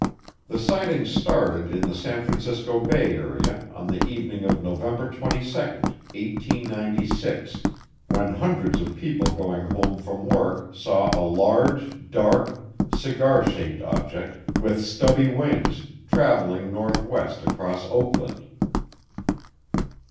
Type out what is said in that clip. The sightings started in the San Francisco Bay area on the evening of November 22, 1896, when hundreds of people going home from work saw a large, dark, "cigar shaped object with stubby wings" traveling northwest across Oakland.